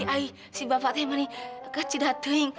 aih si bapak teman ini